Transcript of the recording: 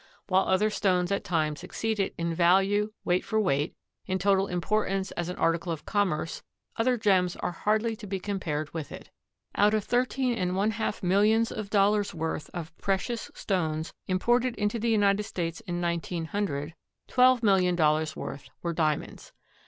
While other stones at times exceed it in value, weight for weight, in total importance as an article of commerce other gems are hardly to be compared with it. Out of thirteen and one half millions of dollars' worth of precious stones imported into the United States in 1900, twelve million dollars' worth were Diamonds.